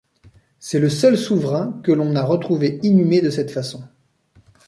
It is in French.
C'est le seul souverain que l'on a retrouvé inhumé de cette façon.